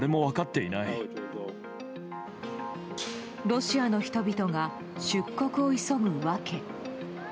ロシアの人々が出国を急ぐ訳。